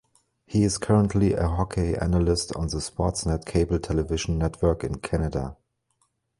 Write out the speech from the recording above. He is currently a hockey analyst on the Sportsnet cable television network in Canada.